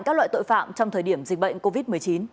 các loại tội phạm trong thời điểm dịch bệnh covid một mươi chín